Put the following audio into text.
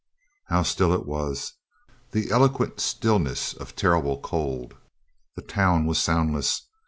How still it was the eloquent stillness of terrible cold! The town was soundless.